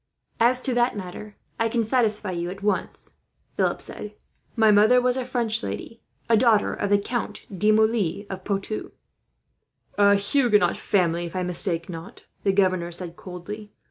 "As to that matter, I can satisfy you at once," Philip said. "My mother was a French lady, a daughter of the Count de Moulins of Poitou." "A Huguenot family, if I mistake not," the governor said, coldly.